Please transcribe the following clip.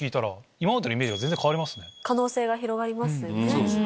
可能性が広がりますよね。